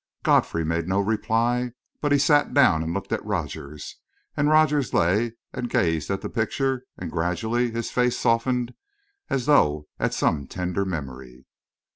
Godfrey made no reply; but he sat down and looked at Rogers, and Rogers lay and gazed at the picture, and gradually his face softened, as though at some tender memory.